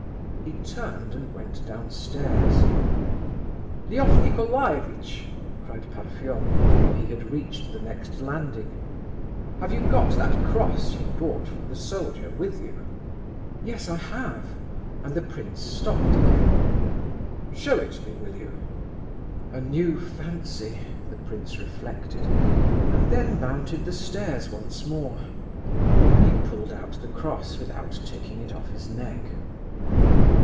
He turned and went downstairs. "Lef Nicolaievitch!" cried Parfen, before he had reached the next landing. "Have you got that cross you bought from the soldier with you?" "Yes, I have," and the prince stopped again. "Show it me, will you?" A new fancy! The prince reflected, and then mounted the stairs once more. He pulled out the cross without taking it off his neck.